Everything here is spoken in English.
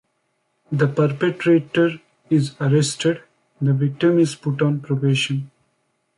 The perpetrator is arrested; the victim is put on probation.